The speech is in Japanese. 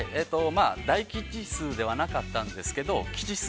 ◆大吉数ではなかったんですけど吉数